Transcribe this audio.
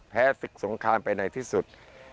แพ้สิ่งสงครามไปไหนที่สุด